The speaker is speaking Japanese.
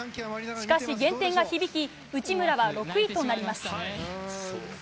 しかし減点が響き内村は６位となります。